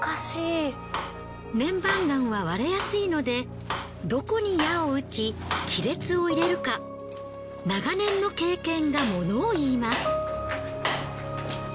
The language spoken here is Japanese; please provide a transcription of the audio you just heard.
粘板岩は割れやすいのでどこに矢を打ち亀裂を入れるか長年の経験がものを言います。